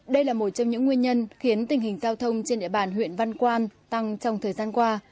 đây là một trong những nguyên nhân khiến tình hình giao thông trên địa bàn huyện văn quan tăng trong thời gian qua